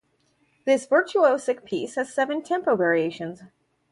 This virtuosic piece has seven tempo variations.